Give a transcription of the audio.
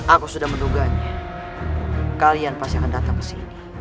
aku sudah menduga kalian pasti akan datang kesini